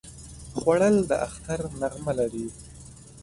خوړل د اختر نغمه لري